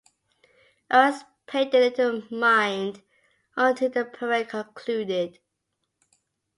Owens paid it little mind until the parade concluded.